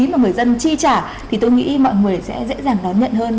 mà người dân chi trả thì tôi nghĩ mọi người sẽ dễ dàng đón nhận hơn